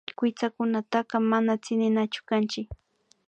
Kuytsakunataka mana tsininachu kanchik